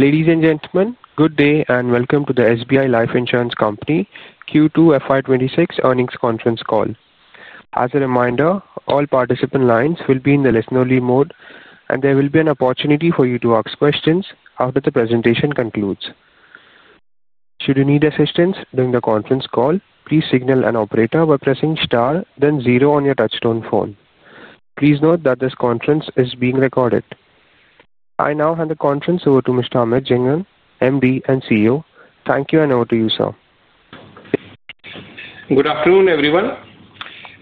Ladies and gentlemen, good day and welcome to the SBI Life Insurance Company Q2 FY2026 earnings conference call. As a reminder, all participant lines will be in the listener mode, and there will be an opportunity for you to ask questions after the presentation concludes. Should you need assistance during the conference call, please signal an operator by pressing star, then zero on your touchtone phone. Please note that this conference is being recorded. I now hand the conference over to Mr. Amit Jhingran, Managing Director and CEO. Thank you and over to you, sir. Good afternoon, everyone.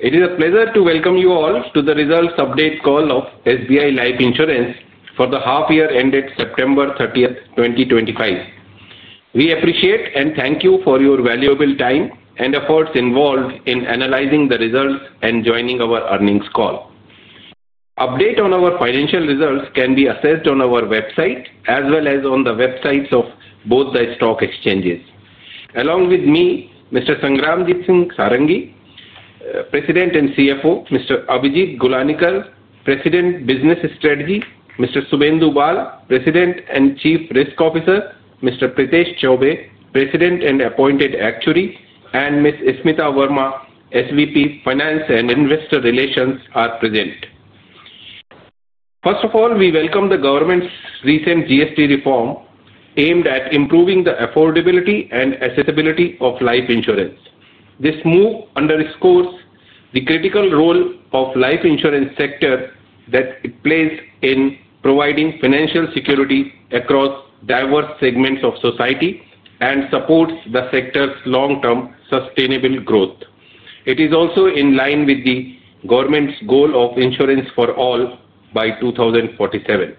It is a pleasure to welcome you all to the results update call of SBI Life Insurance for the half year ended September 30th, 2025. We appreciate and thank you for your valuable time and efforts involved in analyzing the results and joining our earnings call. Updates on our financial results can be accessed on our website as well as on the websites of both the stock exchanges. Along with me, Mr. Sangramjit Singh Sarangi, President and CFO, Mr. Abhijit Gulanikar, President – Business Strategy, Mr. Sugandhu Subramanian, President and Chief Risk Officer, Mr. Prithesh Chaubey, President and Appointed Actuary, and Ms. Ismita Verma, Senior Vice President – Finance and Investor Relations, are present. First of all, we welcome the government's recent GST reform aimed at improving the affordability and accessibility of life insurance. This move underscores the critical role of the life insurance sector that it plays in providing financial security across diverse segments of society and supports the sector's long-term sustainable growth. It is also in line with the government's goal of Insurance for All by 2047.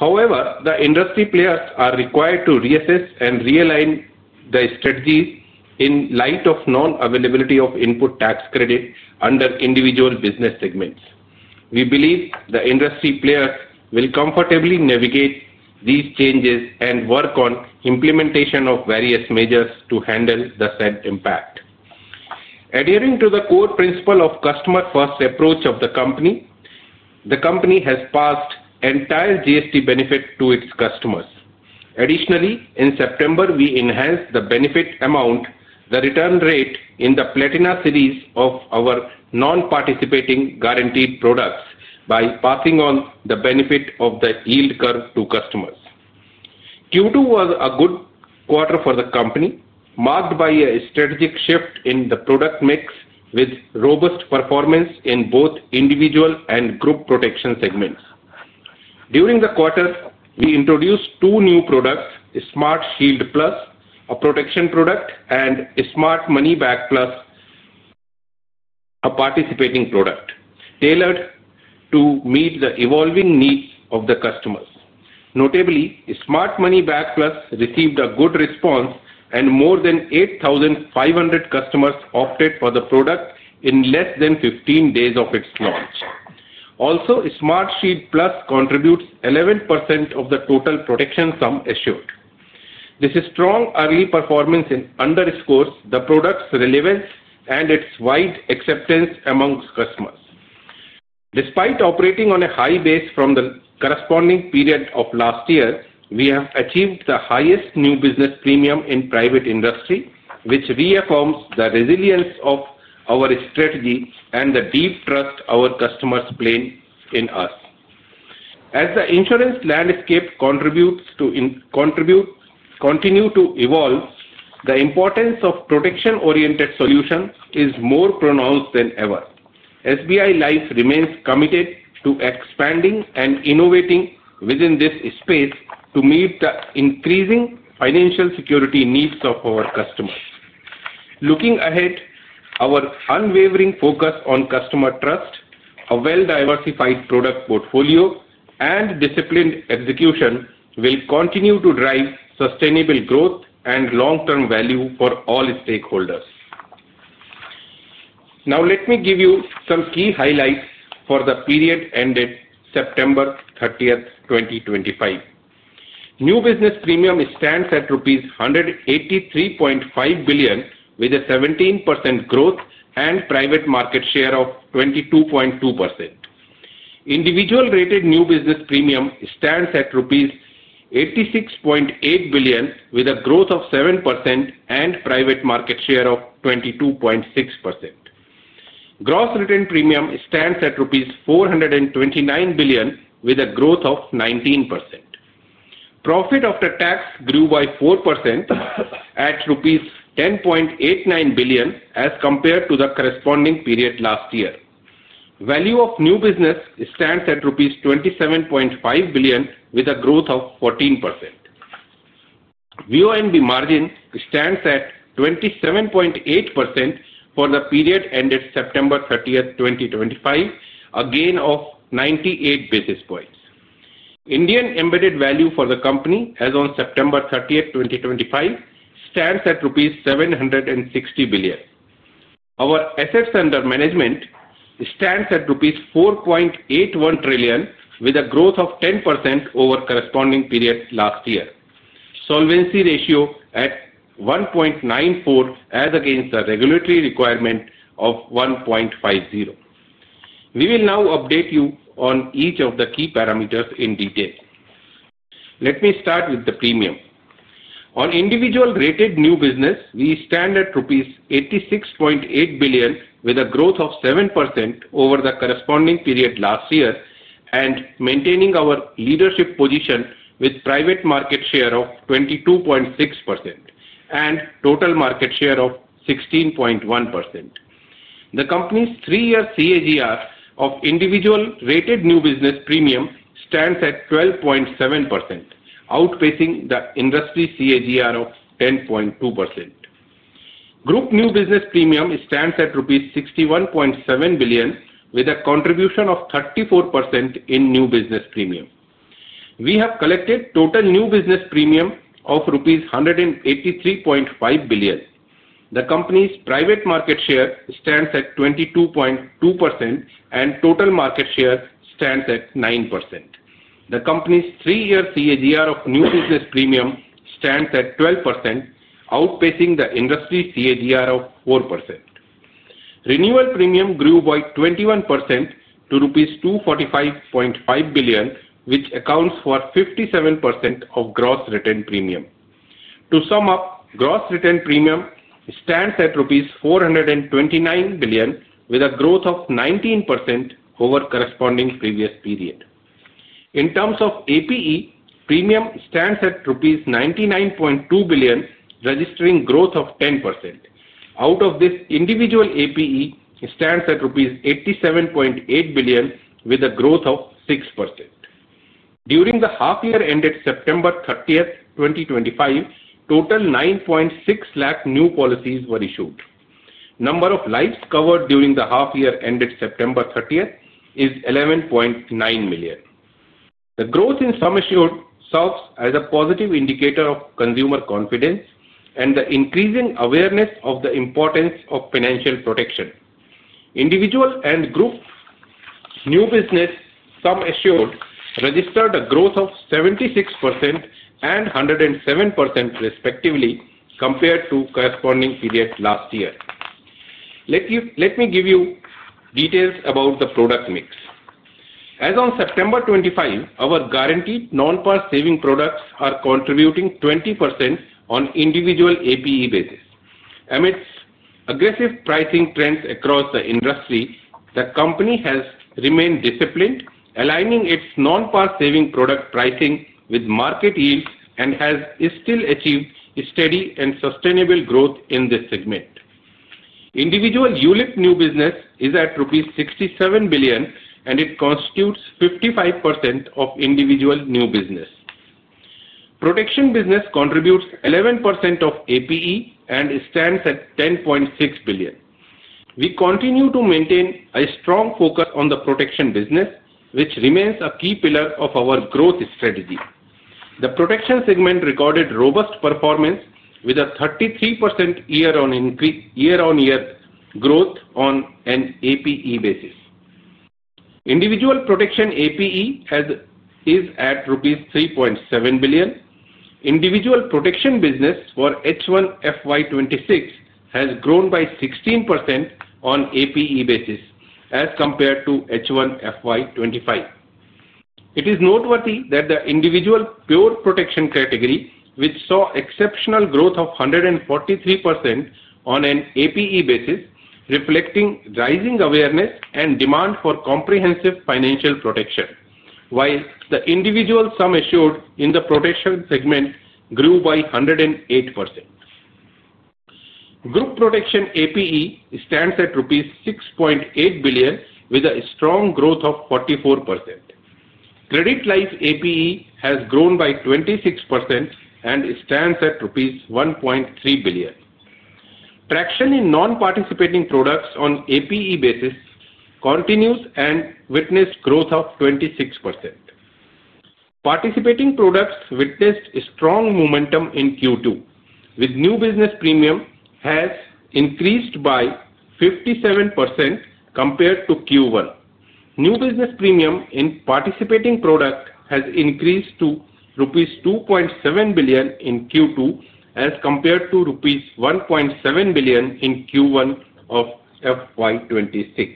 However, the industry players are required to reassess and realign their strategies in light of the non-availability of input tax credit under individual business segments. We believe the industry players will comfortably navigate these changes and work on the implementation of various measures to handle the said impact. Adhering to the core principle of customer-first approach of the company, the company has passed the entire GST benefit to its customers. Additionally, in September, we enhanced the benefit amount, the return rate in the Platina series of our non-participating guaranteed products by passing on the benefit of the yield curve to customers. Q2 was a good quarter for the company, marked by a strategic shift in the product mix with robust performance in both individual and group protection segments. During the quarter, we introduced two new products: Smart Shield Plus, a protection product, and Smart Money Back Plus, a participating product, tailored to meet the evolving needs of the customers. Notably, Smart Money Back Plus received a good response, and more than 8,500 customers opted for the product in less than 15 days of its launch. Also, Smart Shield Plus contributes 11% of the total protection sum assured. This strong early performance underscores the product's relevance and its wide acceptance amongst customers. Despite operating on a high base from the corresponding period of last year, we have achieved the highest new business premium in the private industry, which reaffirms the resilience of our strategy and the deep trust our customers place in us. As the insurance landscape continues to evolve, the importance of protection-oriented solutions is more pronounced than ever. SBI Life Insurance Company remains committed to expanding and innovating within this space to meet the increasing financial security needs of our customers. Looking ahead, our unwavering focus on customer trust, a well-diversified product portfolio, and disciplined execution will continue to drive sustainable growth and long-term value for all stakeholders. Now, let me give you some key highlights for the period ended September 30th, 2025. New business premium stands at rupees 183.5 billion lakh, with a 17% growth and a private market share of 22.2%. Individual rated new business premium stands at rupees 86.8 billion lakh, with a growth of 7% and a private market share of 22.6%. Gross return premium stands at rupees 429 billion lakh, with a growth of 19%. Profit after tax grew by 4% at rupees 10.89 billion lakh as compared to the corresponding period last year. Value of new business stands at rupees 27.5 billion lakh, with a growth of 14%. VNB margin stands at 27.8% for the period ended September 30th, 2025, a gain of 98 basis points. Indian embedded value for the company as on September 30, 2025, stands at rupees 760 billion lakh. Our assets under management stand at rupees 4.81 trillion lakh, with a growth of 10% over the corresponding period last year. Solvency ratio at 1.94 as against the regulatory requirement of 1.50. We will now update you on each of the key parameters in detail. Let me start with the premium. On individual rated newbusiness, we stand at rupees 86.8 billion lakh, with a growth of 7% over the corresponding period last year and maintaining our leadership position with a private market share of 22.6% and a total market share of 16.1%. The company's three-year CAGR of individual rated new business premium stands at 12.7%, outpacing the industry CAGR of 10.2%. Group new business premium stands at INR 61.7 billion lakh, with a contribution of 34% in new business premium. We have collected a total new business premium of rupees 183.5 billion lakh. The company's private market share stands at 22.2% and the total market share stands at 9%. The company's three-year CAGR of new business premium stands at 12%, outpacing the industry CAGR of 4%. Renewal premium grew by 21% to rupees 245.5 billion lakh, which accounts for 57% of gross return premium. To sum up, gross return premium stands at rupees 429 billion lakh, with a growth of 19% over the corresponding previous period. In terms of APE, premium stands at rupees 99.2 billion lakh, registering a growth of 10%. Out of this, individual APE stands at rupees 87.8 billion lakh, with a growth of 6%. During the half year ended September 30th, 2025, a total of 9.6 lakh new policies were issued. The number of lives covered during the half year ended September 30th is 11.9 million lakh. The growth in sum issued serves as a positive indicator of consumer confidence and the increasing awareness of the importance of financial protection. Individual and group new business sum issued registered a growth of 76% and 107% respectively compared to the corresponding period last year. Let me give you details about the product mix. As on September 25, our guaranteed non-participating saving products are contributing 20% on an individual APE basis. Amidst aggressive pricing trends across the industry, the company has remained disciplined, aligning its non-participating saving product pricing with market yields and has still achieved steady and sustainable growth in this segment. Individual unit new business is at rupees 67 billion lakh, and it constitutes 55% of individual new business. Protection business contributes 11% of APE and stands at 10.6 billion lakh. We continue to maintain a strong focus on the protection business, which remains a key pillar of our growth strategy. The protection segment recorded robust performance with a 33% year-on-year growth on an APE basis. Individual protection APE is at rupees 3.7 billion lakh. Individual protection business for H1FY2026 has grown by 16% on an APE basis as compared to H1FY2025. It is noteworthy that the individual pure protection category, which saw exceptional growth of 143% on an APE basis, reflects rising awareness and demand for comprehensive financial protection, while the individual sum issued in the protection segment grew by 108%. Group protection APE stands at 6.8 billion lakh rupees, with a strong growth of 44%. Credit life APE has grown by 26% and stands at INR 1.3 billion lakh. Traction in non-participating products on an APE basis continues and witnessed a growth of 26%. Participating products witnessed a strong momentum in Q2, with new business premium increasing by 57% compared to Q1. New business premium in participating products has increased to rupees 2.7 billion lakh in Q2 as compared to rupees 1.7 billion lakh in Q1 of FY2026.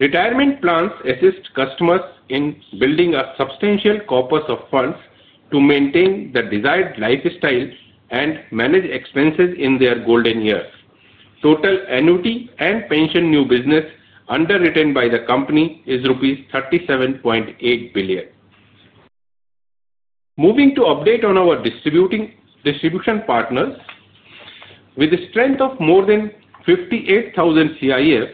Retirement plans assist customers in building a substantial corpus of funds to maintain their desired lifestyle and manage expenses in their golden years. Total annuity and pension new business underwritten by the company is rupees 37.8 billion lakh. Moving to update on our distribution partners, with a strength of more than 58,000 CIF,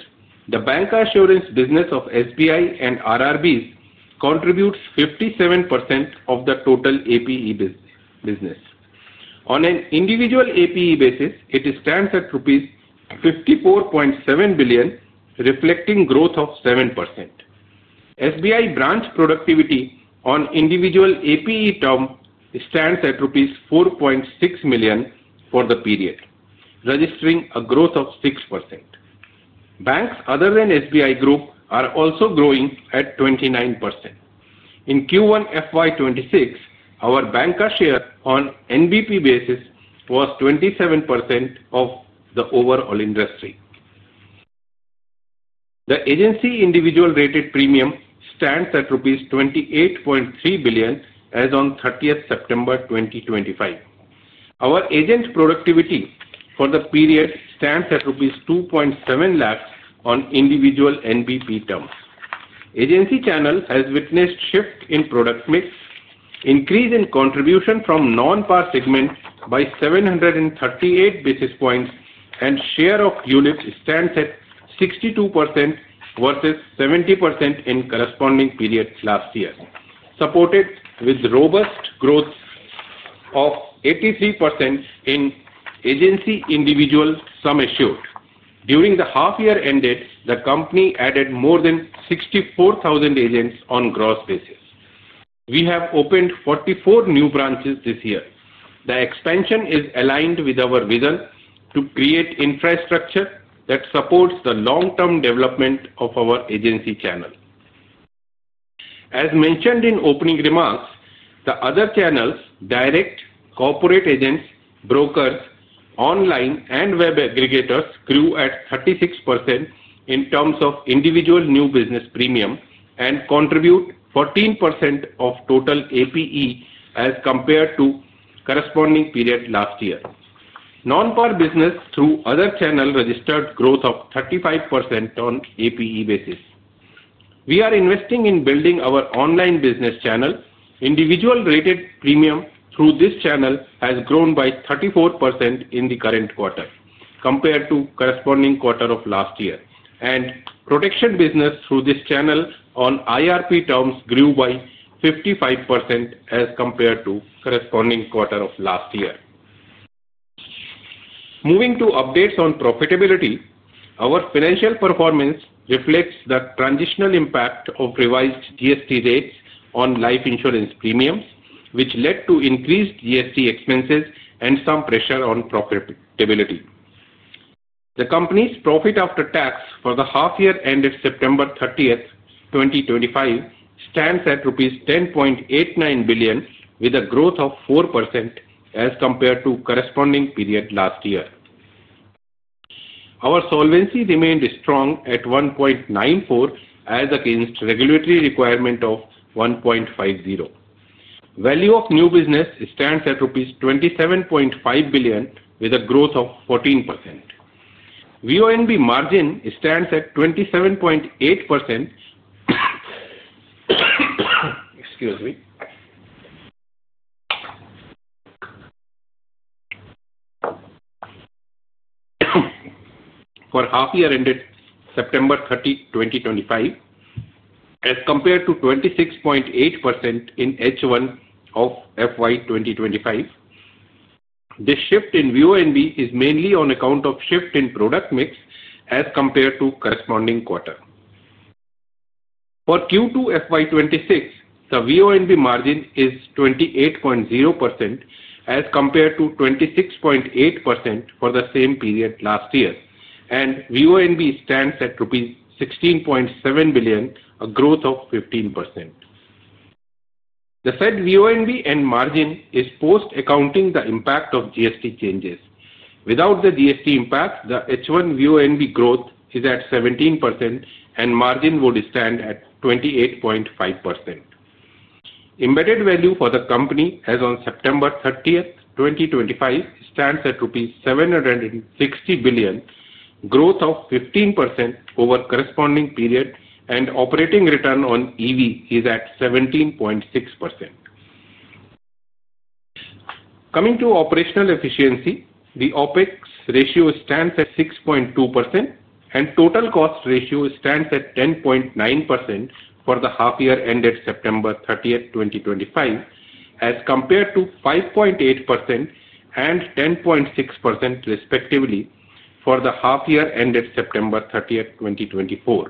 the bancassurance business of State Bank of India and Regional Rural Banks contributes 57% of the total APE business. On an individual APE basis, it stands at rupees 54.7 billion lakh, reflecting a growth of 7%. State Bank of India branch productivity on individual APE terms stands at rupees 4.6 million for the period, registering a growth of 6%. Banks other than State Bank of India Group are also growing at 29%. In Q1 FY2026, our banker share on an NBP basis was 27% of the overall industry. The agency individual rated premium stands at INR 28.3 billion lakh as on 30th September 2025. Our agent productivity for the period stands at rupees 2.7 lakh on individual NBP terms. Agency channel has witnessed a shift in product mix, increasing contribution from the non-part segment by 738 basis points, and the share of units stands at 62% versus 70% in the corresponding period last year, supported by a robust growth of 83% in agency individual sum issued. During the half year ended, the company added more than 64,000 agents on a gross basis. We have opened 44 new branches this year. The expansion is aligned with our vision to create infrastructure that supports the long-term development of our agency channel. As mentioned in opening remarks, the other channels, direct corporate agents, brokers, online, and web aggregators grew at 36% in terms of individual new business premium and contributed 14% of total APE as compared to the corresponding period last year. Non-part business through other channels registered a growth of 35% on an APE basis. We are investing in building our online business channel. Individual rated premium through this channel has grown by 34% in the current quarter compared to the corresponding quarter of last year, and protection business through this channel on IRP terms grew by 55% as compared to the corresponding quarter of last year. Moving to updates on profitability, our financial performance reflects the transitional impact of revised GST rates on life insurance premiums, which led to increased GST expenses and some pressure on profitability. The company's profit after tax for the half year ethnded September 30, 2025, stands at rupees 10.89 billion lakh, with a growth of 4% as compared to the corresponding period last year. Our solvency remained strong at 1.94 as against the regulatory requirement of 1.50. Value of new business stands at rupees 27.5 billion lakh, with a growth of 14%. VNB margin stands at 27.8%. Excuse me. For half year ended September 30, 2025, as compared to 26.8% in H1 of FY2025, this shift in VNB is mainly on account of a shift in product mix as compared to the corresponding quarter. For Q2 FY2026, the VNB margin is 28.0% as compared to 26.8% for the same period last year, and VNB stands at INR 16.7 billion lakh, a growth of 15%. The said VNB and margin is post-accounting the impact of GST changes. Without the GST impact, the H1 VNB growth is at 17%, and margin would stand at 28.5%. Embedded value for the company as on September 30, 2025, stands at rupees 760 billion lakh, growth of 15% over the corresponding period, and operating return on EV is at 17.6%. Coming to operational efficiency, the OpEx ratio stands at 6.2%, and the total cost ratio stands at 10.9% for the half year ended September 30th, 2025, as compared to 5.8% and 10.6% respectively for the half year ended September 30th, 2024.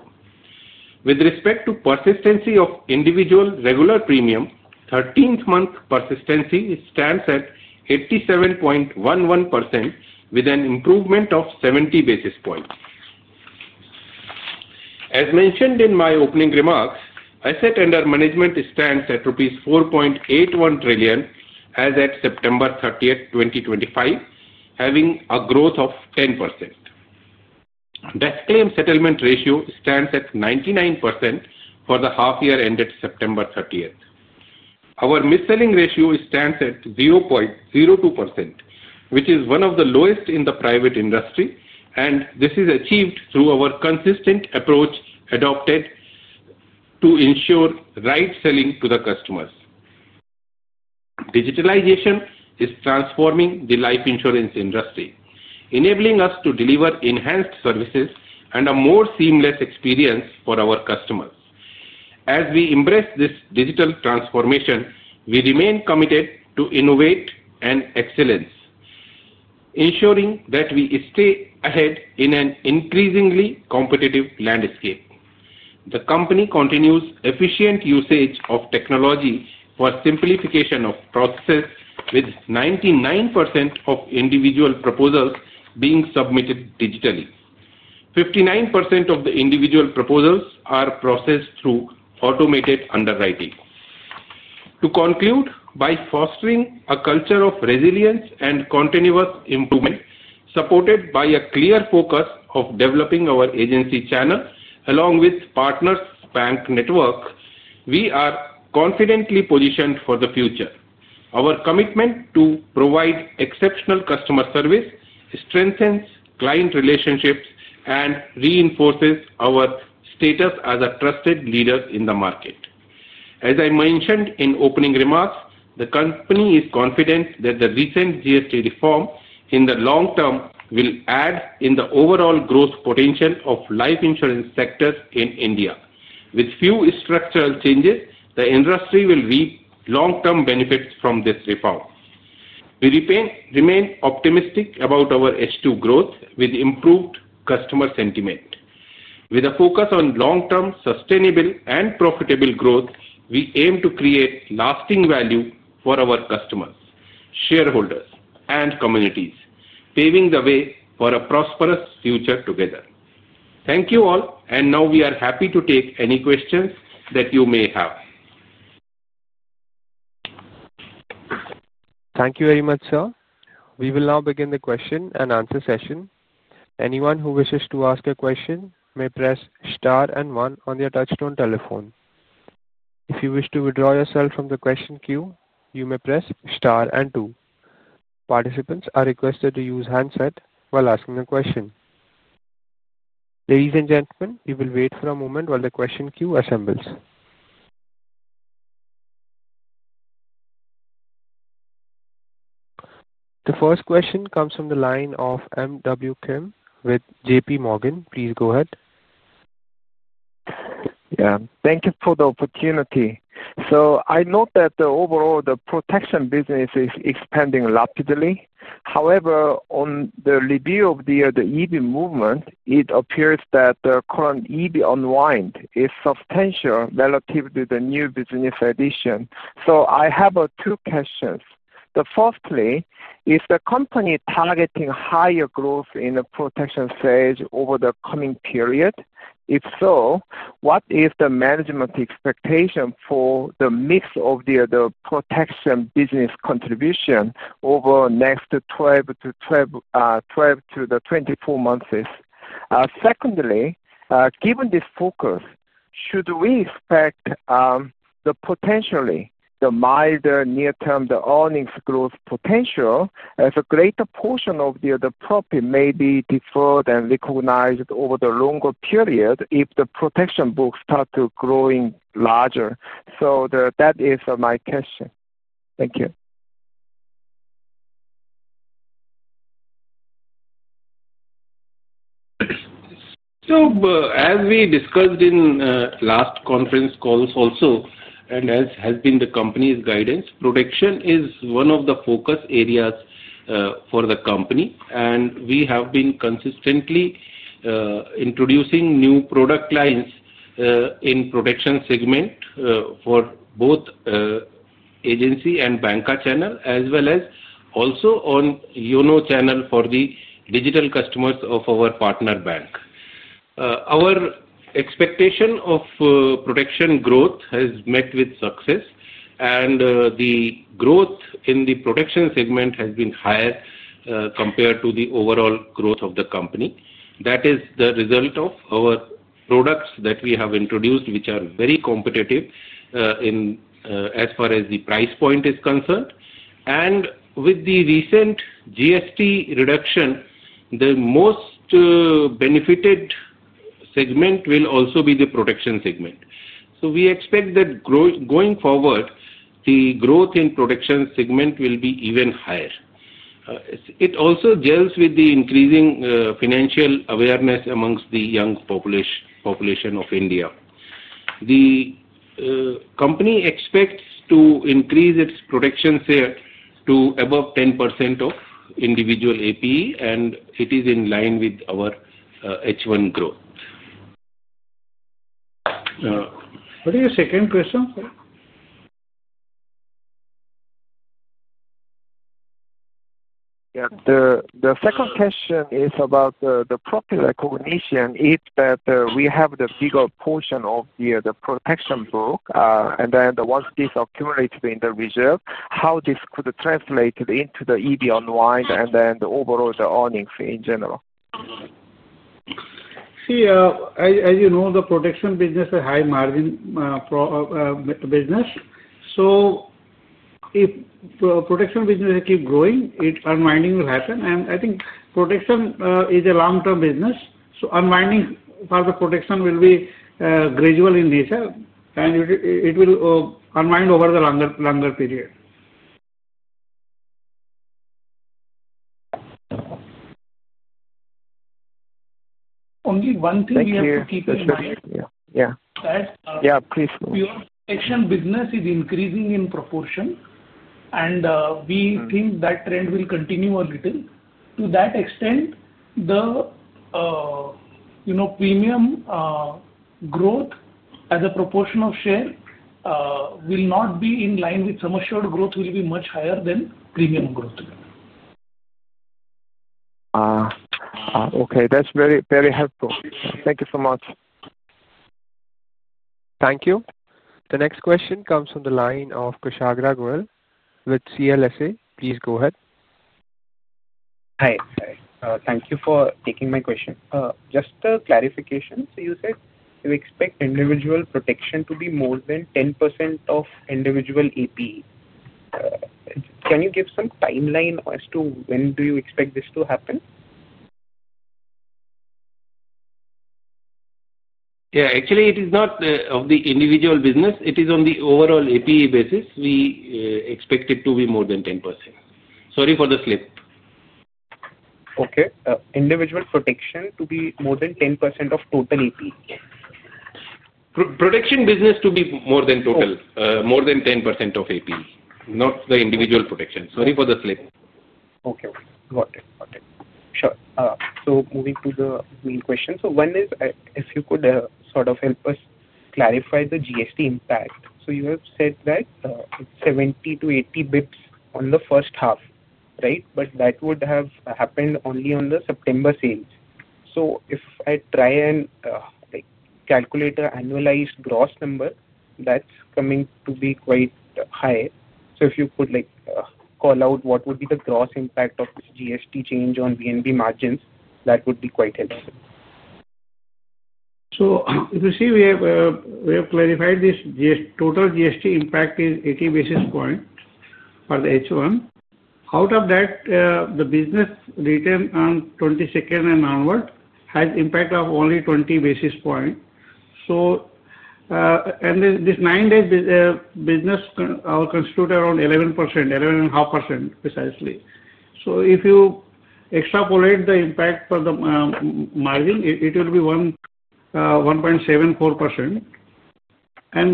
With respect to persistency of individual regular premium, 13th month persistency stands at 87.11% with an improvement of 70 basis points. As mentioned in my opening remarks, assets under management stand at rupees 4.81 trillion lakh as at September 30th, 2025, having a growth of 10%. Best claim settlement ratio stands at 99% for the half year ended September 30th. Our misselling ratio stands at 0.02%, which is one of the lowest in the private industry, and this is achieved through our consistent approach adopted to ensure right selling to the customers. Digitalization is transforming the life insurance industry, enabling us to deliver enhanced services and a more seamless experience for our customers. As we embrace this digital transformation, we remain committed to innovation and excellence, ensuring that we stay ahead in an increasingly competitive landscape. The company continues efficient usage of technology for simplification of processes, with 99% of individual proposals being submitted digitally. 59% of the individual proposals are processed through automated underwriting. To conclude, by fostering a culture of resilience and continuous improvement, supported by a clear focus of developing our agency channel along with partners' bank network, we are confidently positioned for the future. Our commitment to provide exceptional customer service strengthens client relationships and reinforces our status as a trusted leader in the market. As I mentioned in opening remarks, the company is confident that the recent GST reform in the long term will add to the overall growth potential of the life insurance sector in India. With few structural changes, the industry will reap long-term benefits from this reform. We remain optimistic about our H2 growth with improved customer sentiment. With a focus on long-term sustainable and profitable growth, we aim to create lasting value for our customers, shareholders, and communities, paving the way for a prosperous future together. Thank you all, and now we are happy to take any questions that you may have. Thank you very much, sir. We will now begin the question-and-answer session. Anyone who wishes to ask a question may press star and one on their touchtone telephone. If you wish to withdraw yourself from the question queue, you may press star and two. Participants are requested to use handsets while asking the question. Ladies and gentlemen, we will wait for a moment while the question queue assembles. The first question comes from the line of MW Kim with JP Morgan. Please go ahead. Thank you for the opportunity. I note that overall the protection business is expanding rapidly. However, on the review of the EV movement, it appears that the current EV unwind is substantial relative to the new business addition. I have two questions. Firstly, is the company targeting higher growth in the protection sales over the coming period? If so, what is the management expectation for the mix of the protection business contribution over the next 12-24 months? Secondly, given this focus, should we expect potentially the milder near-term earnings growth potential as a greater portion of the profit may be deferred and recognized over the longer period if the protection books start to grow larger? That is my question. Thank you. As we discussed in the last conference calls also, and as has been the company's guidance, protection is one of the focus areas for the company, and we have been consistently introducing new product lines in the protection segment for both agency and banker channel, as well as also on the Yono channel for the digital customers of our partner bank. Our expectation of protection growth has met with success, and the growth in the protection segment has been higher compared to the overall growth of the company. That is the result of our products that we have introduced, which are very competitive as far as the price point is concerned. With the recent GST reduction, the most benefited segment will also be the protection segment. We expect that going forward, the growth in the protection segment will be even higher. It also gels with the increasing financial awareness amongst the young population of India. The company expects to increase its protection sales to above 10% of individual APE, and it is in line with our H1 growth. What is your second question, sir? Yeah. The second question is about the profit recognition. Is that we have the bigger portion of the protection book, and then once this is accumulated in the reserve, how this could translate into the EV unwind and then overall the earnings in general? See, as you know, the protection business is a high margin business. If the protection business keeps growing, unwinding will happen. I think protection is a long-term business, so unwinding for the protection will be gradual in nature, and it will unwind over the longer period. Only one thing we have to keep in mind. Yeah. Yeah. Yeah. Yeah, please go. Pure protection business is increasing in proportion, and we think that trend will continue a little. To that extent, the premium growth as a proportion of share will not be in line with sum assured growth, it will be much higher than premium growth. Okay, that's very, very helpful. Thank you so much. Thank you. The next question comes from the line of Kushagra Goel with CLSA. Please go ahead. Hi. Thank you for taking my question. Just a clarification. You said you expect individual protection to be more than 10% of individual APE. Can you give some timeline as to when you expect this to happen? Yeah. Actually, it is not on the individual business. It is on the overall APE basis. We expect it to be more than 10%. Sorry for the slip. Okay. Individual protection to be more than 10% of total APE? Protection business to be more than total, more than 10% of APE, not the individual protection. Sorry for the slip. Okay. Got it. Sure. Moving to the main question, one is, if you could sort of help us clarify the GST impact. You have said that it's 70-80 basis points on the first half, right? That would have happened only on the September sales. If I try and calculate an annualized gross number, that's coming to be quite high. If you could call out what would be the gross impact of this GST change on VNB margins, that would be quite helpful. If you see, we have clarified this total GST impact is 80 basis points for the H1. Out of that, the business return on 22nd and onward has an impact of only 20 basis points. This nine-day business will constitute around 11%, 11.5% precisely. If you extrapolate the impact for the margin, it will be 1.74%.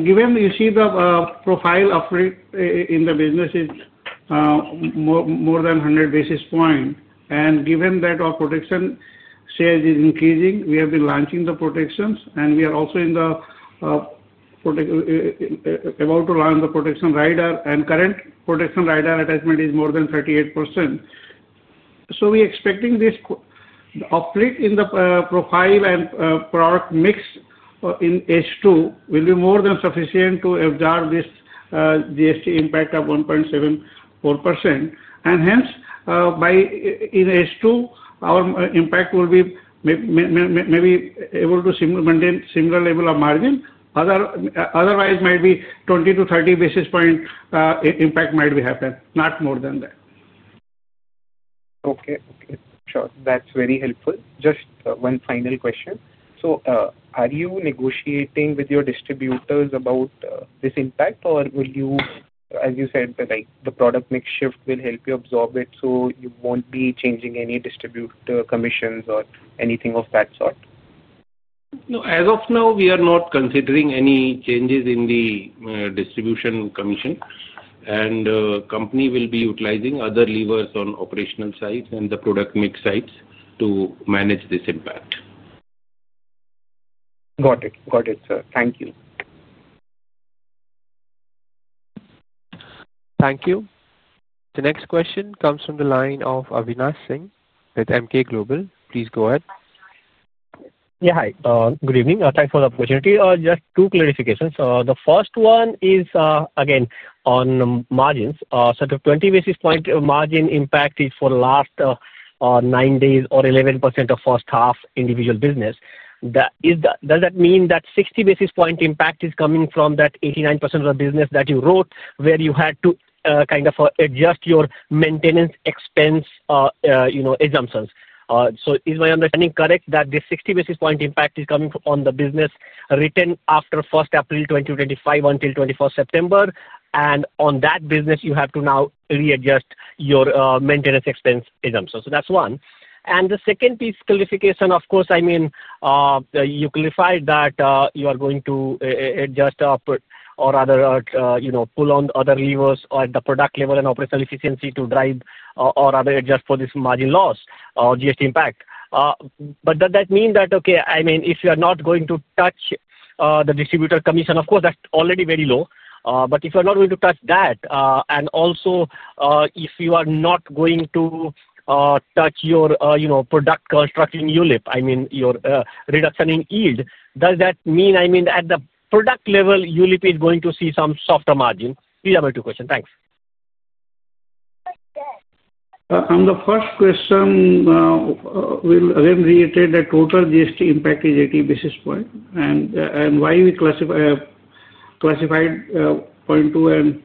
Given you see the profile upgrade in the business is more than 100 basis points, and given that our protection sales is increasing, we have been launching the protections, and we are also about to launch the protection rider, and current protection rider attachment is more than 38%. We are expecting this uplift in the profile and product mix in H2 will be more than sufficient to absorb this GST impact of 1.74%. Hence, in H2, our impact will be maybe able to maintain a similar level of margin. Otherwise, maybe 20-30 basis point impact might happen, not more than that. Okay. That's very helpful. Just one final question. Are you negotiating with your distributors about this impact, or will you, as you said, the product mix shift will help you absorb it, so you won't be changing any distributor commissions or anything of that sort? No. As of now, we are not considering any changes in the distribution commission, and the company will be utilizing other levers on operational sites and the product mix sites to manage this impact. Got it. Got it, sir. Thank you. Thank you. The next question comes from the line of Avinash Singh with Emkay Global. Please go ahead. Yeah. Hi. Good evening. Thanks for the opportunity. Just two clarifications. The first one is, again, on margins. The 20 basis point margin impact is for the last nine days or 11% of the first half individual business. Does that mean that 60 basis point impact is coming from that 89% of the business that you wrote where you had to kind of adjust your maintenance expense exemptions? Is my understanding correct that this 60 basis point impact is coming on the business written after April 1, 2025, until September 21, and on that business, you have to now readjust your maintenance expense exemptions? That's one. The second piece of clarification, of course, I mean, you clarified that you are going to adjust up or rather pull on the other levers at the product level and operational efficiency to drive or rather adjust for this margin loss or GST impact. Does that mean that, okay, if you are not going to touch the distributor commission, of course, that's already very low. If you're not going to touch that, and also if you are not going to touch your product constructing unit, I mean, your reduction in yield, does that mean, I mean, at the product level, unit is going to see some softer margin? These are my two questions. Thanks. On the first question, we'll reiterate that total GST impact is 80 basis points. The reason we classified 0.2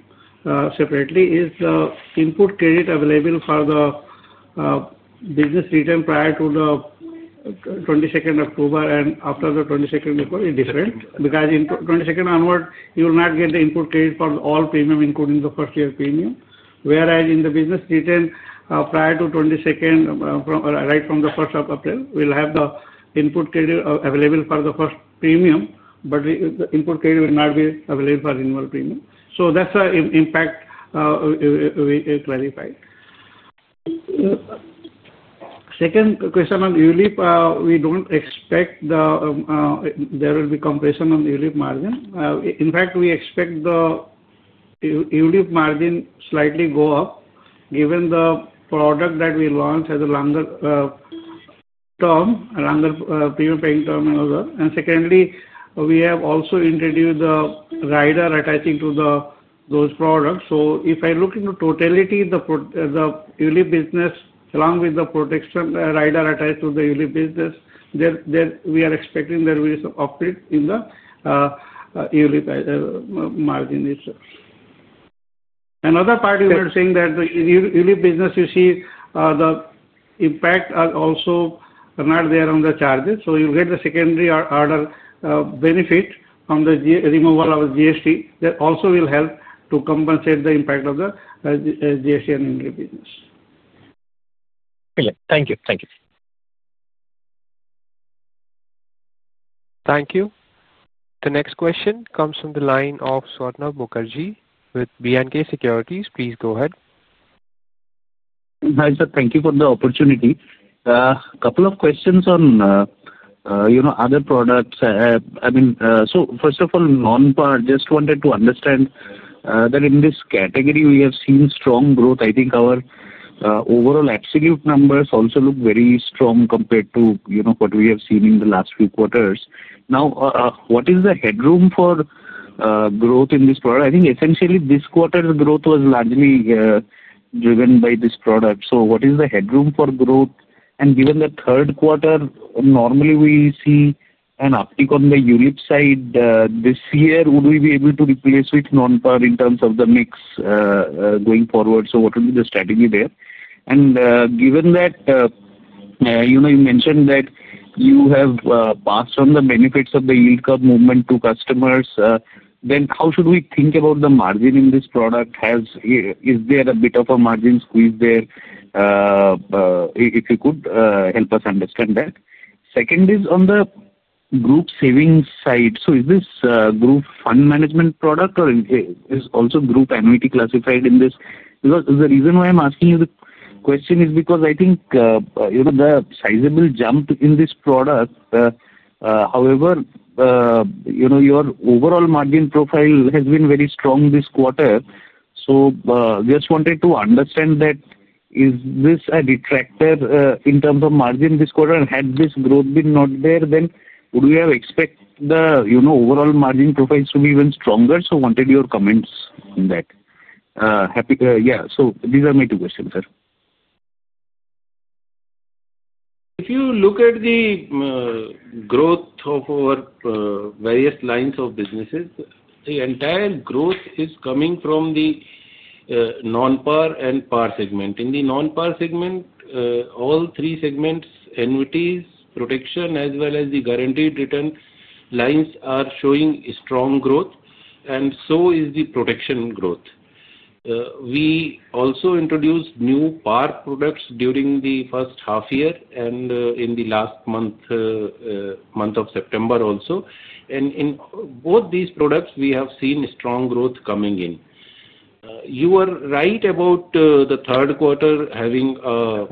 separately is the input tax credit available for the business return prior to the 22nd of October and after the 22nd of April is different because in 22nd onward, you will not get the input tax credit for all premium, including the first-year premium. Whereas in the business return prior to 22nd, right from the 1st of April, we'll have the input tax credit available for the first premium, but the input tax credit will not be available for renewal premium. That's the impact we clarified. On the second question on unit, we don't expect there will be compression on unit margin. In fact, we expect the unit margin to slightly go up given the product that we launched as a longer term, a longer premium paying term and other. We have also introduced the rider attaching to those products. If I look into totality, the unit business along with the protection rider attached to the unit business, we are expecting there will be some uplift in the unit margin itself. Another part you were saying that the unit business, you see, the impact is also not there on the charges. You'll get the secondary order benefit on the removal of GST that also will help to compensate the impact of the GST on unit business. Thank you. Thank you. Thank you. The next question comes from the line of Swarnabha Mukherjee with B&K Securities. Please go ahead. Hi, sir. Thank you for the opportunity. A couple of questions on, you know, other products. I mean, first of all, non-part, just wanted to understand that in this category, we have seen strong growth. I think our overall absolute numbers also look very strong compared to, you know, what we have seen in the last few quarters. Now, what is the headroom for growth in this product? I think essentially this quarter's growth was largely driven by this product. What is the headroom for growth? Given the third quarter, normally we see an uptick on the unit side. This year, would we be able to replace with non-part in terms of the mix going forward? What would be the strategy there? Given that, you know, you mentioned that you have passed on the benefits of the yield curve movement to customers, how should we think about the margin in this product? Is there a bit of a margin squeeze there? If you could help us understand that. Second is on the group savings side. Is this a group fund management product or is also group annuity classified in this? The reason why I'm asking you the question is because I think, you know, the sizable jump in this product. However, you know, your overall margin profile has been very strong this quarter. Just wanted to understand that is this a detractor in terms of margin this quarter? Had this growth been not there, then would we have expected the, you know, overall margin profiles to be even stronger? Wanted your comments on that. Yeah. These are my two questions, sir. If you look at the growth of our various lines of businesses, the entire growth is coming from the non-part and part segment. In the non-part segment, all three segments, NVPs, protection, as well as the guaranteed return lines are showing strong growth, and so is the protection growth. We also introduced new part products during the first half year and in the last month of September also. In both these products, we have seen strong growth coming in. You were right about the third quarter having a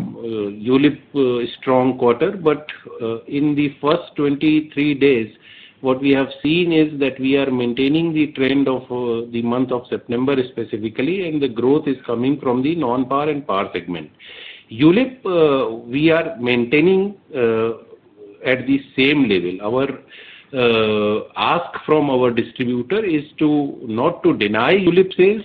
unit strong quarter, but in the first 23 days, what we have seen is that we are maintaining the trend of the month of September specifically, and the growth is coming from the non-part and part segment. Unit, we are maintaining at the same level. Our ask from our distributor is not to deny unit sales,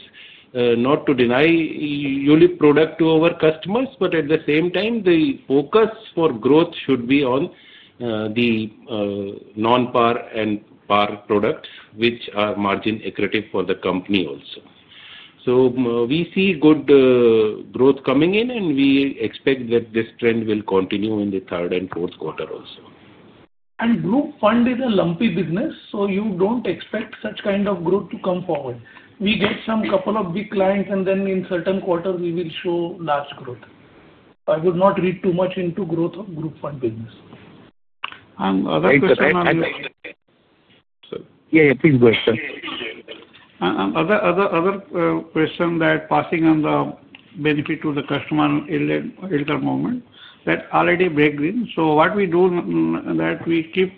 not to deny unit product to our customers, but at the same time, the focus for growth should be on the non-part and part products, which are margin accurate for the company also. We see good growth coming in, and we expect that this trend will continue in the third and fourth quarter also. Group fund is a lumpy business, so you don't expect such kind of growth to come forward. We get some couple of big clients, and then in certain quarters, we will show large growth. I would not read too much into growth of group fund business. The other question on the. Sorry. Yeah, yeah. Please go ahead, sir. Other question is that passing on the benefit to the customer in the moment that already break even. What we do is that we keep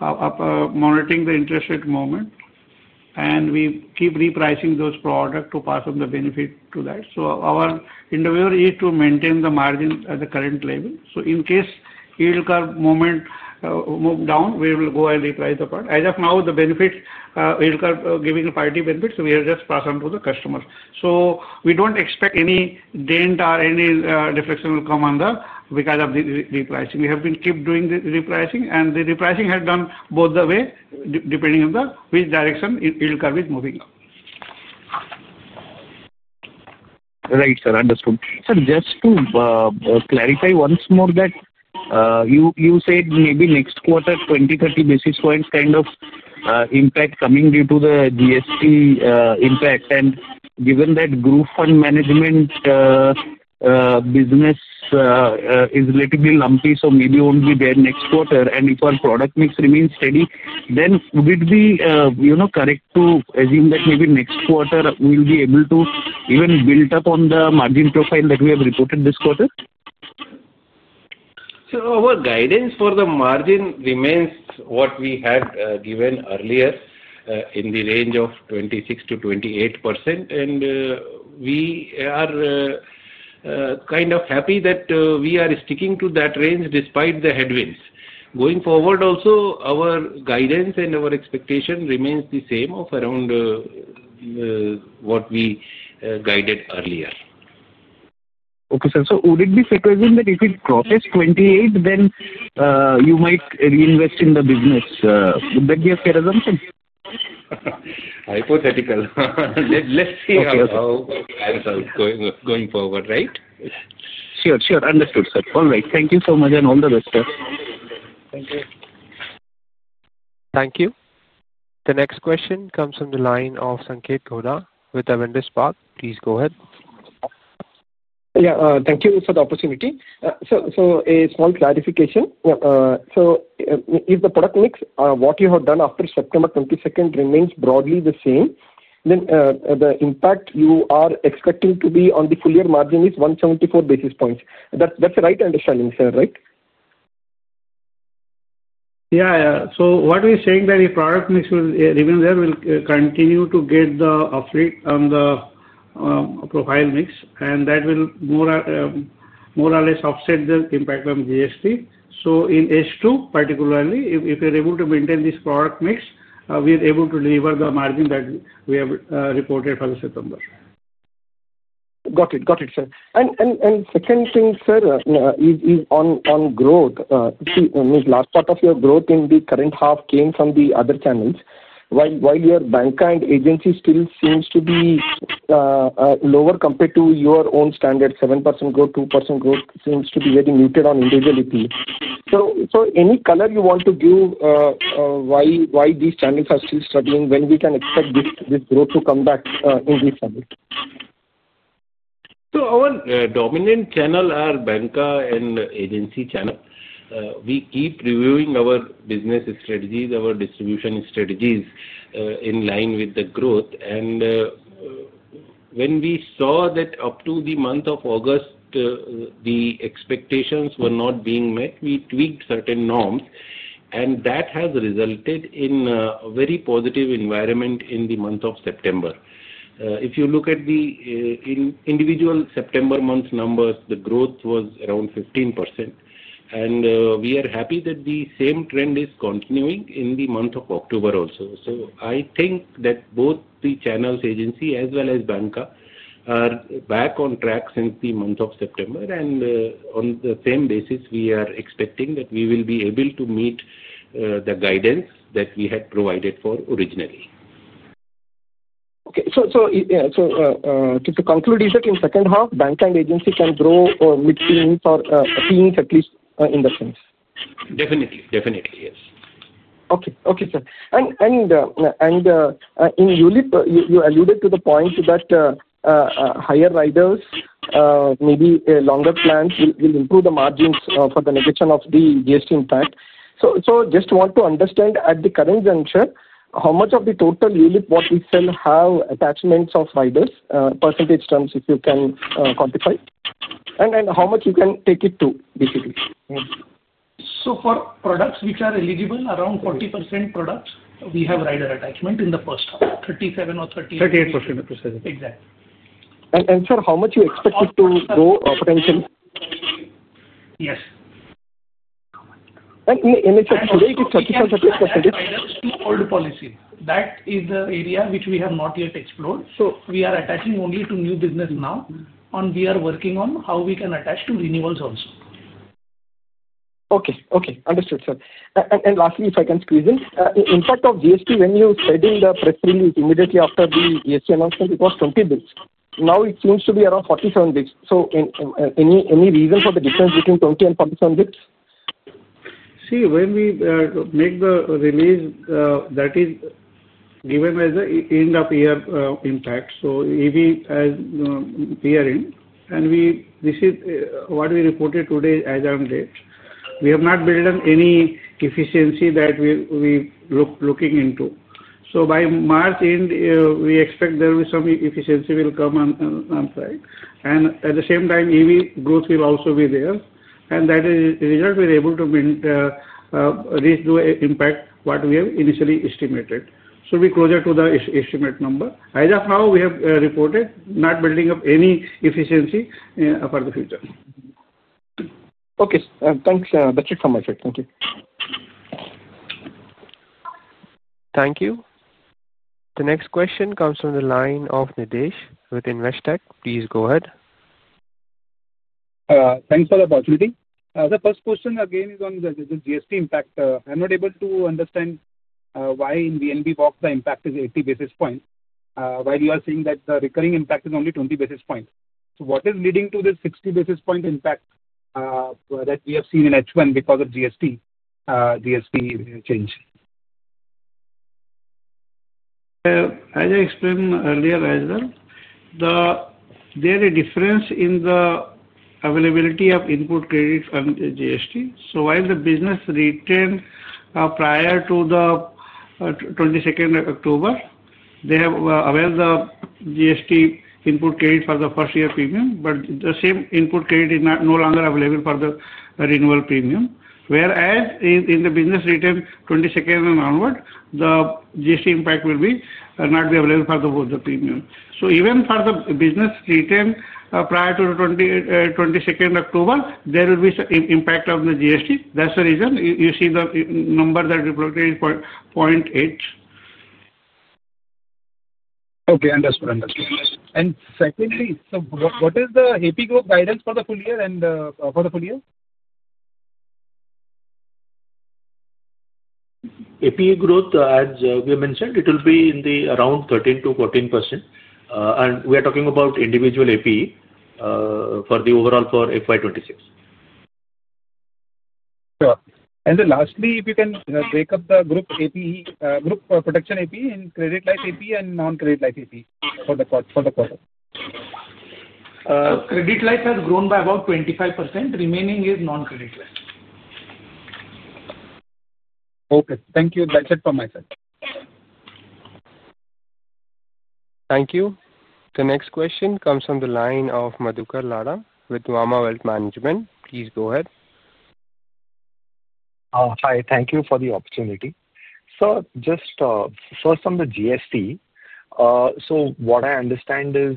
monitoring the interest rate movement, and we keep repricing those products to pass on the benefit to that. Our endeavor is to maintain the margin at the current level. In case the yield curve movement moves down, we will go and reprice the product. As of now, the benefits, yield curve giving the party benefits, we are just passing on to the customers. We don't expect any dent or any reflection will come on that because of the repricing. We have been doing the repricing, and the repricing has been done both ways depending on which direction the yield curve is moving up. Right, sir. Understood. Sir, just to clarify once more, you said maybe next quarter 20, 30 basis points kind of impact coming due to the GST impact. Given that group fund management business is relatively lumpy, maybe it won't be there next quarter. If our product mix remains steady, would it be correct to assume that maybe next quarter we'll be able to even build up on the margin profile that we have reported this quarter? Our guidance for the margin remains what we had given earlier in the range of 26%-28%. We are kind of happy that we are sticking to that range despite the headwinds. Going forward also, our guidance and our expectation remains the same of around what we guided earlier. Okay, sir. Would it be fair to assume that if it crosses 28, then you might reinvest in the business? Would that be a fair assumption? Hypothetical. Let's see how it goes going forward, right? Sure. Understood, sir. All right. Thank you so much and all the best, sir. Thank you. Thank you. The next question comes from the line of Sanketh Godha with Avendus Park. Please go ahead. Thank you for the opportunity. A small clarification: if the product mix, what you have done after September 22, remains broadly the same, then the impact you are expecting to be on the full-year margin is 174 basis points. That's the right understanding, sir, right? Yeah. What we're saying is that if product mix will remain there, we'll continue to get the uplift on the profile mix, and that will more or less offset the impact on GST. In H2, particularly, if you're able to maintain this product mix, we're able to deliver the margin that we have reported for the September. Got it. Got it, sir. The second thing, sir, is on growth. The last part of your growth in the current half came from the other channels. While your banker and agency still seems to be lower compared to your own standard 7% growth, 2% growth seems to be very muted on individual APE. Any color you want to give why these channels are still struggling when we can expect this growth to come back in this channel? Our dominant channels are banker and agency channels. We keep reviewing our business strategies, our distribution strategies in line with the growth. When we saw that up to the month of August, the expectations were not being met, we tweaked certain norms, and that has resulted in a very positive environment in the month of September. If you look at the individual September month's numbers, the growth was around 15%. We are happy that the same trend is continuing in the month of October also. I think that both the channels, agency as well as banker, are back on track since the month of September. On the same basis, we are expecting that we will be able to meet the guidance that we had provided for originally. Okay. To conclude, is it in the second half, banker and agency can grow or meet the needs or at least in the sense? Definitely. Yes. Okay. Okay, sir. In unit, you alluded to the point that higher riders, maybe longer plans, will improve the margins for the negation of the GST impact. I just want to understand at the current juncture how much of the total unit, what we sell, have attachments of riders, percentage terms if you can quantify, and how much you can take it to basically. Yes. For products which are eligible, around 40% products, we have rider attachment in the first half. 37 or 38%. 38%. Exactly. Sir, how much do you expect it to grow potentially? Yes. In a short period, if 30% or 38%. To old policies, that is the area which we have not yet explored. We are attaching only to new business now, and we are working on how we can attach to renewals also. Okay. Understood, sir. Lastly, if I can squeeze in, the impact of GST when you said in the press release immediately after the GST announcement, it was 20 basis points. Now it seems to be around 47 basis points. Any reason for the difference between 20 and 47 basis points? See, when we make the release, that is given as the end-of-year impact. We are in, and this is what we reported today as of late. We have not built up any efficiency that we're looking into. By March end, we expect there will be some efficiency will come on site. At the same time, EV growth will also be there. That is the result we're able to reach the impact what we have initially estimated. We're closer to the estimate number. As of now, we have reported not building up any efficiency for the future. Okay. Thanks. That's it from my side. Thank you. Thank you. The next question comes from the line of Nadesh with InvesTech. Please go ahead. Thanks for the opportunity. The first question again is on the GST impact. I'm not able to understand why in VNB box, the impact is 80 basis points while you are saying that the recurring impact is only 20 basis points. What is leading to this 60 basis point impact that we have seen in H1 because of GST change? As I explained earlier as well, there is a difference in the availability of input credit on GST. While the business return prior to the 22nd of October, they have availed the GST input credit for the first-year premium, but the same input credit is no longer available for the renewal premium. Whereas in the business return 22nd and onward, the GST impact will not be available for the premium. Even for the business return prior to the 22nd of October, there will be some impact on the GST. That's the reason you see the number that we reported is 0.8. Okay. Understood. What is the AP growth guidance for the full year and for the full year? AP growth, as we mentioned, it will be in the around 13%-14%. We are talking about individual APE for the overall for FY2026. Sure, if you can break up the group protection APE in credit life APE and non-credit life APE for the quarter. Credit life has grown by about 25%. Remaining is non-credit life. Okay. Thank you. That's it for my side. Thank you. The next question comes from the line of Madhukar Ladha with Nuvama Wealth Management. Please go ahead. Hi. Thank you for the opportunity. Just first on the GST. What I understand is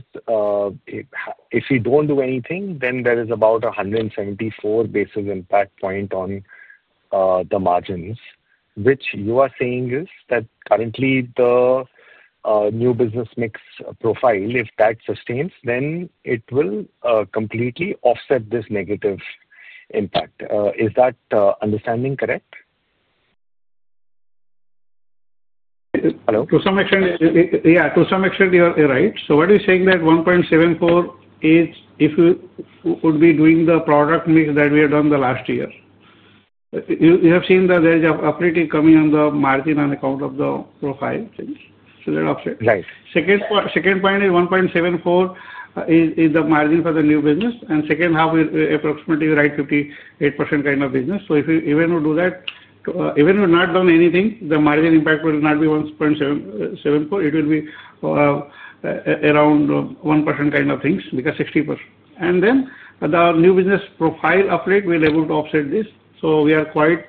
if we don't do anything, then there is about a 174 basis points impact on the margins, which you are saying is that currently the new business mix profile, if that sustains, then it will completely offset this negative impact. Is that understanding correct? Hello? To some extent, yeah. To some extent, you're right. What we're saying is that 1.74 is if you would be doing the product mix that we have done the last year. You have seen that there is an uplift coming on the margin on account of the profile change. That offsets. The second point is 1.74 is the margin for the new business. In the second half, approximately you're right, 58% kind of business. If you even do that, even if you've not done anything, the margin impact will not be 1.74. It will be around 1% kind of things because 60%. The new business profile uplift will be able to offset this. We are quite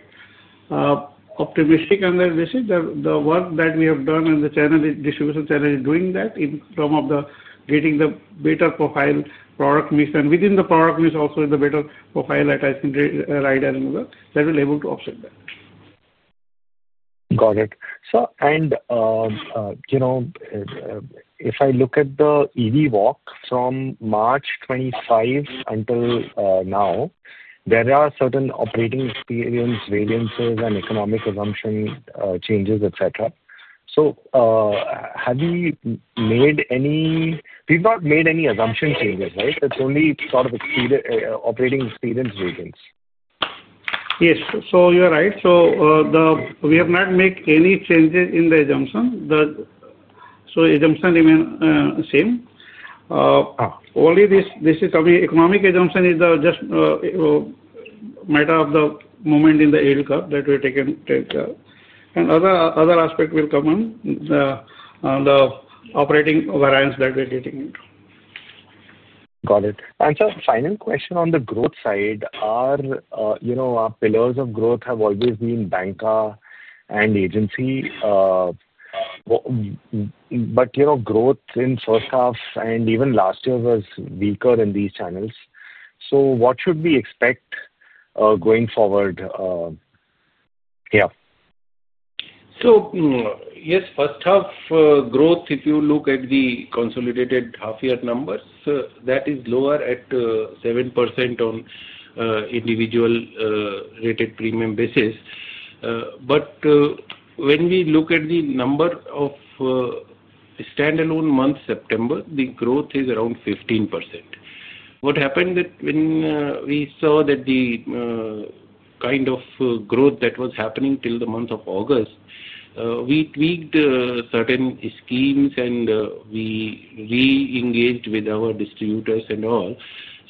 optimistic on that. This is the work that we have done, and the distribution channel is doing that in terms of getting the better profile product mix. Within the product mix also is the better profile attachment rider and other. That will be able to offset that. Got it. If I look at the EV walk from March 2025 until now, there are certain operating experience variances and economic assumption changes, etc. Have we made any, we've not made any assumption changes, right? It's only sort of operating experience variance. Yes, you're right. We have not made any changes in the assumption, so assumption remains the same. Only this is coming. Economic assumption is just a matter of the moment in the yield curve that we're taking care of. Other aspects will come on the operating variance that we're getting into. Got it. Final question on the growth side, our pillars of growth have always been bancassurance and agency. Growth in first half and even last year was weaker in these channels. What should we expect going forward? Yeah. Yes, first half growth, if you look at the consolidated half-year numbers, that is lower at 7% on individual rated premium basis. When we look at the number of standalone months, September, the growth is around 15%. What happened is when we saw that the kind of growth that was happening till the month of August, we tweaked certain schemes and we re-engaged with our distributors and all.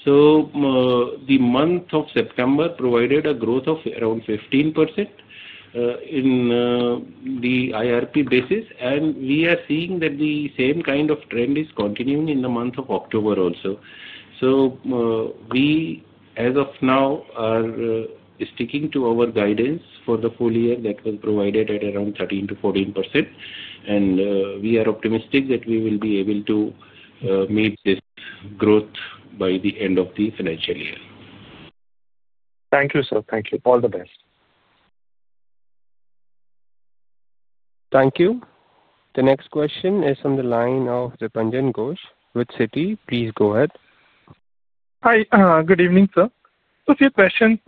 The month of September provided a growth of around 15% in the IRP basis. We are seeing that the same kind of trend is continuing in the month of October also. As of now, we are sticking to our guidance for the full year that was provided at around 13% to 14%. We are optimistic that we will be able to meet this growth by the end of the financial year. Thank you, sir. Thank you. All the best. Thank you. The next question is from the line of Ripanjan Ghosh with Citi. Please go ahead. Hi. Good evening, sir. A few questions.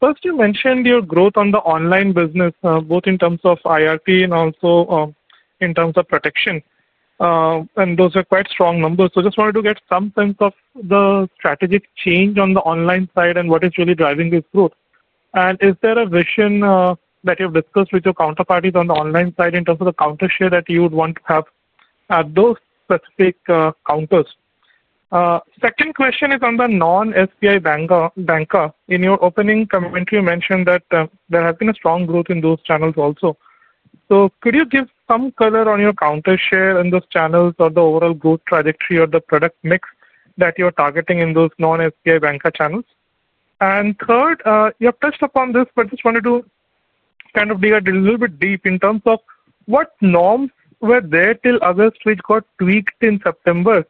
First, you mentioned your growth on the online business, both in terms of IRP and also in terms of protection. Those are quite strong numbers. I just wanted to get some sense of the strategic change on the online side and what is really driving this growth. Is there a vision that you've discussed with your counterparties on the online side in terms of the counter share that you would want to have at those specific counters? Second question is on the non-SBI banker. In your opening commentary, you mentioned that there has been a strong growth in those channels also. Could you give some color on your counter share in those channels or the overall growth trajectory of the product mix that you're targeting in those non-SBI banker channels? Third, you have touched upon this, but I just wanted to kind of dig a little bit deep in terms of what norms were there till August, which got tweaked in September,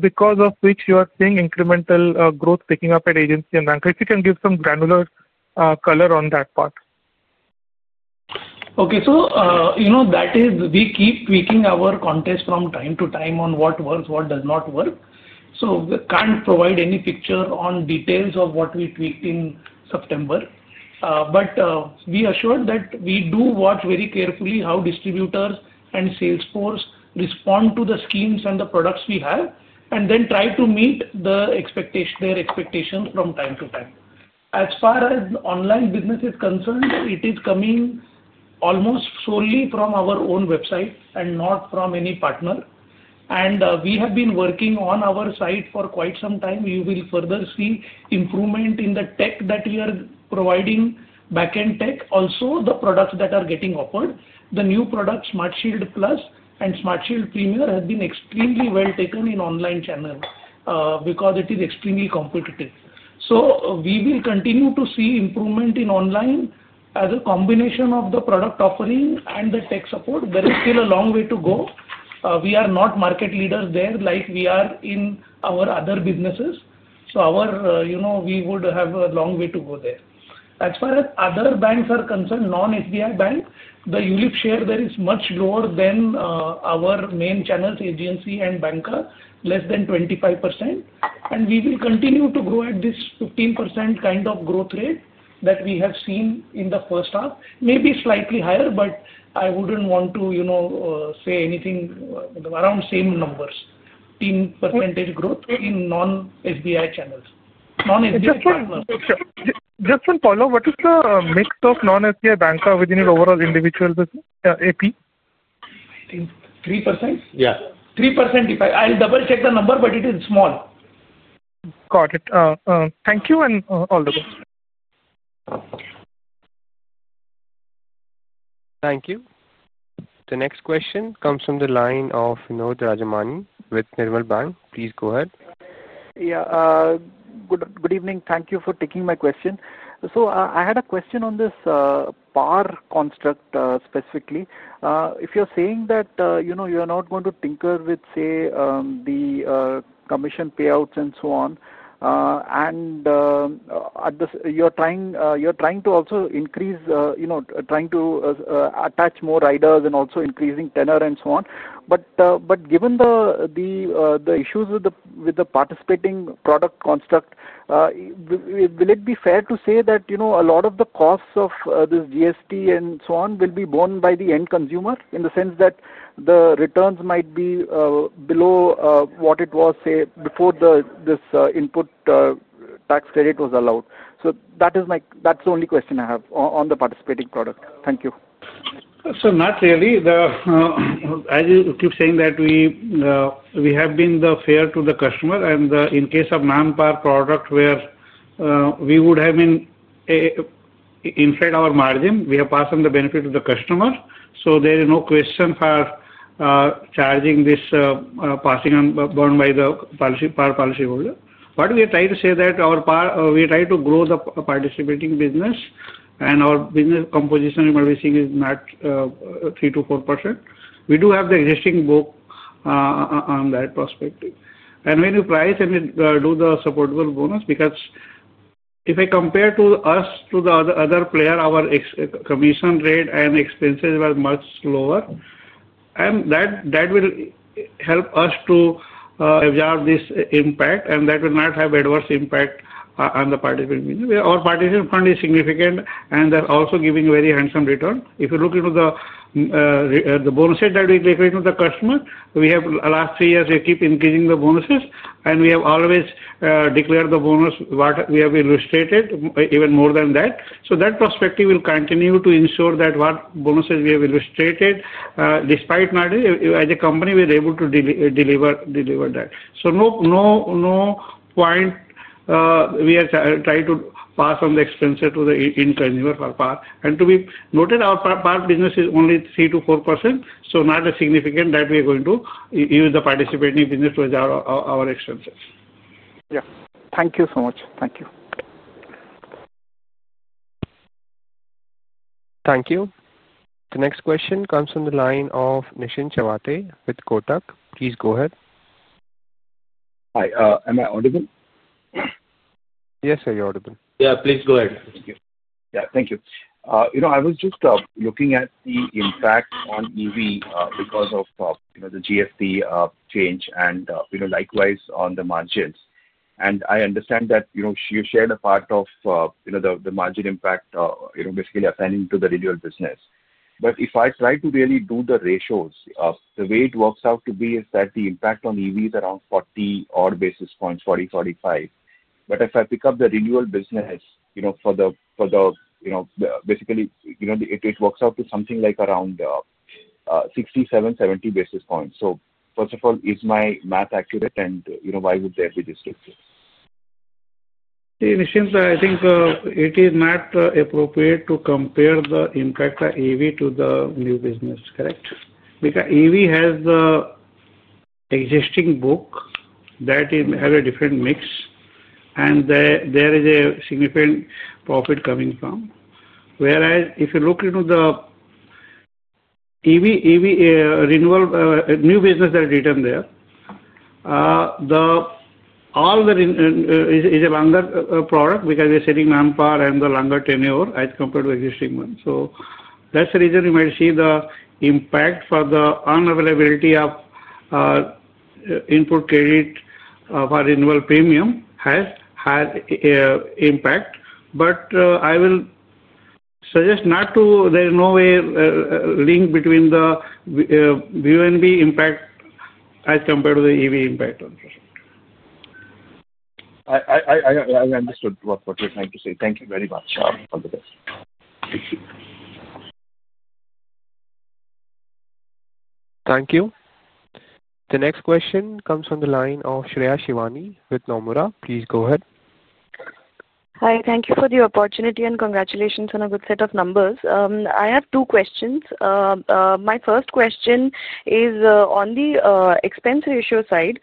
because of which you are seeing incremental growth picking up at agency and banker. If you can give some granular color on that part. Okay. That is, we keep tweaking our context from time to time on what works, what does not work. We can't provide any picture on details of what we tweaked in September. We assure that we do watch very carefully how distributors and Salesforce respond to the schemes and the products we have, and then try to meet their expectations from time to time. As far as online business is concerned, it is coming almost solely from our own website and not from any partner. We have been working on our site for quite some time. You will further see improvement in the tech that we are providing, backend tech, also the products that are getting offered. The new products, Smart Shield Plus and Smart Shield Premier, have been extremely well taken in online channels because it is extremely competitive. We will continue to see improvement in online as a combination of the product offering and the tech support. There is still a long way to go. We are not market leaders there like we are in our other businesses. We would have a long way to go there. As far as other banks are concerned, non-SBI bank, the unit share there is much lower than our main channels, agency and banker, less than 25%. We will continue to grow at this 15% kind of growth rate that we have seen in the first half. Maybe slightly higher, but I wouldn't want to say anything around the same numbers, 15% growth in non-SBI channels. Non-SBI banker. Just to follow, what is the mix of non-SBI banker within your overall individual APE? I think 3%? Yeah. 3%. I'll double-check the number, but it is small. Got it. Thank you and all the best. Thank you. The next question comes from the line of Nod Rajamani with Nirmal Bang. Please go ahead. Good evening. Thank you for taking my question. I had a question on this par construct specifically. If you're saying that you're not going to tinker with, say, the commission payouts and so on, and you're trying to also increase, you know, trying to attach more riders and also increasing tenure and so on. Given the issues with the participating product construct, will it be fair to say that a lot of the costs of this GST and so on will be borne by the end consumer in the sense that the returns might be below what it was, say, before this input tax credit was allowed? That is the only question I have on the participating product. Thank you. Not really. As you keep saying that we have been fair to the customer, and in case of non-part product where we would have inflated our margin, we have passed on the benefit to the customer. There is no question for charging this passing on borne by the par policyholder. What we are trying to say is that we are trying to grow the participating business, and our business composition, what we're seeing is not 3%-4%. We do have the existing book on that prospect. When you price and you do the supportable bonus, because if I compare us to the other player, our commission rate and expenses were much lower. That will help us to absorb this impact, and that will not have adverse impact on the participant business. Our participant fund is significant, and they're also giving very handsome return. If you look into the bonuses that we're giving to the customer, we have the last three years, we keep increasing the bonuses, and we have always declared the bonus what we have illustrated, even more than that. That prospective will continue to ensure that what bonuses we have illustrated, despite not as a company, we're able to deliver that. No point we are trying to pass on the expenses to the end consumer for par. To be noted, our par business is only 3%-4%. Not as significant that we are going to use the participating business to absorb our expenses. Thank you so much. Thank you. Thank you. The next question comes from the line of Nischint Chawathe with Kotak. Please go ahead. Hi, am I audible? Yes, sir. You're audible. Yeah. Please go ahead. Thank you. Thank you. I was just looking at the impact on EV because of the GST change and likewise on the margins. I understand that you shared a part of the margin impact, basically assigning to the renewal business. If I try to really do the ratios, the way it works out to be is that the impact on EV is around 40 odd basis points, 40, 45. If I pick up the renewal business, basically, it works out to something like around 67, 70 basis points. First of all, is my math accurate and why would there be this difference? Nischint, I think it is not appropriate to compare the impact of EV to the new business, correct? Because EV has the existing book that has a different mix, and there is a significant profit coming from it. Whereas if you look into the EV renewal new business that is written there, all that is a longer product because we're selling non-part and the longer tenure as compared to the existing one. That's the reason we might see the impact for the unavailability of input credit for renewal premium has had an impact. I will suggest not to, there is no way link between the VNB impact as compared to the EV impact on the product. I understood what you're trying to say. Thank you very much. All the best. Thank you. The next question comes from the line of Shreya Shivani with Nomura. Please go ahead. Hi. Thank you for the opportunity and congratulations on a good set of numbers. I have two questions. My first question is on the expense ratio side.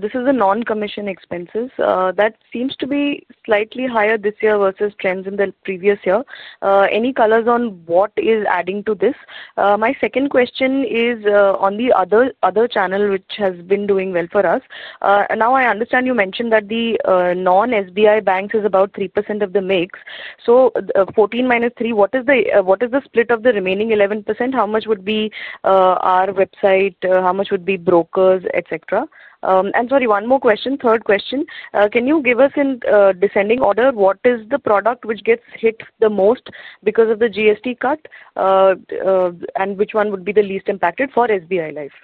This is the non-commission expenses. That seems to be slightly higher this year versus trends in the previous year. Any colors on what is adding to this? My second question is on the other channel, which has been doing well for us. I understand you mentioned that the non-SBI banks is about 3% of the mix. 14 - 3, what is the split of the remaining 11%? How much would be our website? How much would be brokers, etc.? Sorry, one more question. Third question. Can you give us in descending order what is the product which gets hit the most because of the GST cut and which one would be the least impacted for SBI Life?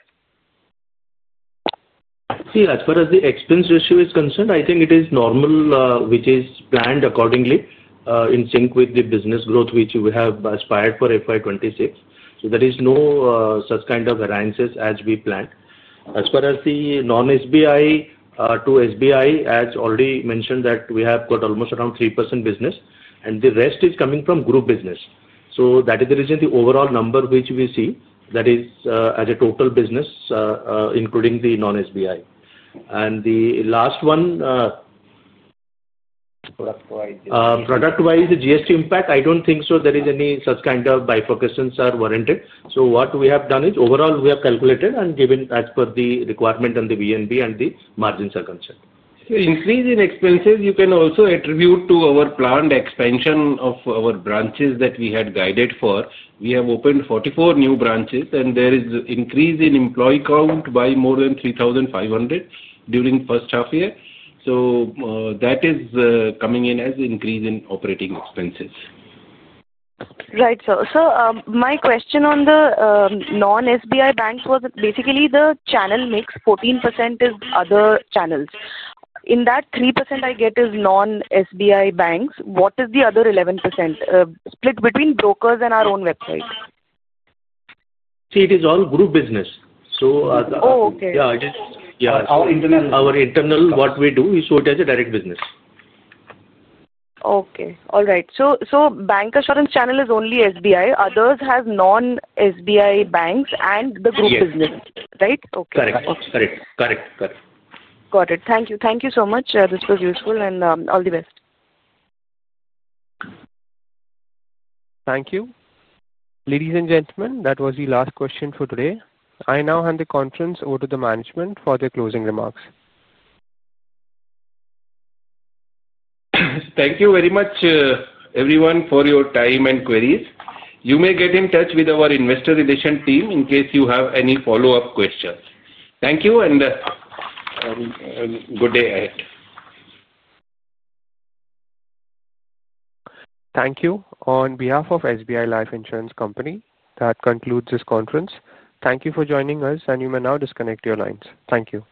See, as far as the expense ratio is concerned, I think it is normal, which is planned accordingly in sync with the business growth which we have aspired for FY 2026. There is no such kind of arounces as we planned. As far as the non-SBI to SBI, as already mentioned, we have got almost around 3% business, and the rest is coming from group business. That is the reason the overall number which we see, that is as a total business, including the non-SBI. The last one, product-wise, the GST impact, I don't think so there is any such kind of bifurcations are warranted. What we have done is overall we have calculated and given as per the requirement on the VNB and the margins are concerned. Increase in expenses, you can also attribute to our planned expansion of our branches that we had guided for. We have opened 44 new branches, and there is an increase in employee count by more than 3,500 during the first half year. That is coming in as an increase in operating expenses. Right, sir. My question on the non-SBI banks was basically the channel mix, 14% is other channels. In that, 3% I get is non-SBI banks. What is the other 11% split between brokers and our own website? See, it is all group business. Just our internal, what we do is it has a direct business. Okay. All right. So bancassurance channel is only State Bank of India. Others have non-State Bank of India banks and the group business, right? Correct. Okay. Correct. Correct. Correct. Got it. Thank you. Thank you so much. This was useful and all the best. Thank you. Ladies and gentlemen, that was the last question for today. I now hand the conference over to the management for their closing remarks. Thank you very much, everyone, for your time and queries. You may get in touch with our Investor Relations team in case you have any follow-up questions. Thank you and good day ahead. Thank you. On behalf of SBI Life Insurance Company, that concludes this conference. Thank you for joining us, and you may now disconnect your lines. Thank you.